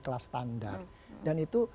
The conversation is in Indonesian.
kelas standar dan itu